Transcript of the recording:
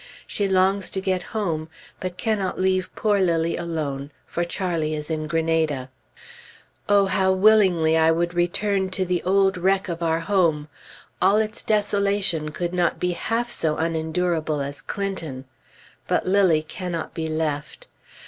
She longs to get home, but cannot leave poor Lilly alone, for Charlie is in Granada. Oh, how willingly I would return to the old wreck of our home! All its desolation could not be half so unendurable as Clinton. But Lilly cannot be left.